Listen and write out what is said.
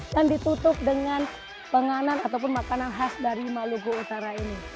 dan ditutup dengan penganan atau pemakanan khas dari maluku utara ini